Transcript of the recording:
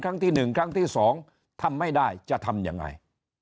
ครั้งที่๑ครั้งที่๒ทำไม่ได้จะทำยังไง